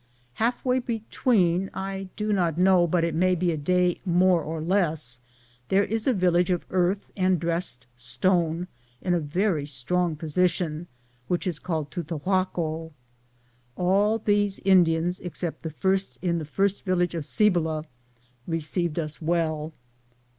Halfway between, I do not know but it may be a day more or less, there is a village of earth and dressed stone, in a very strong position, which is called Tutahaco. 1 All these Indians, except the first in the first village of Cibola, received us well.